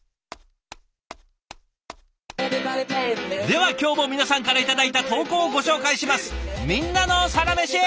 では今日も皆さんから頂いた投稿をご紹介します。